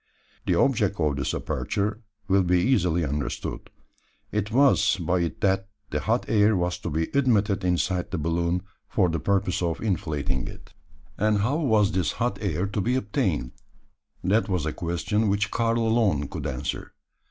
The object of this aperture will be easily understood. It was by it that the hot air was to be admitted inside the balloon, for the purpose of inflating it. And how was this hot air to be obtained? That was a question which Karl alone could answer.